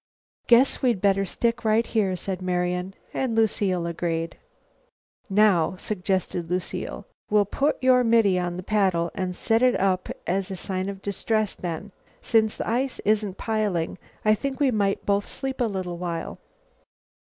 "Guess we'd better stick right here," said Marian, and Lucile agreed. "Now," suggested Lucile, "we'll put your middy on a paddle and set it up as a sign of distress; then, since the ice isn't piling, I think we might both sleep a little while."